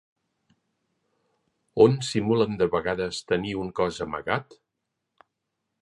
On simulen de vegades tenir un cos amagat?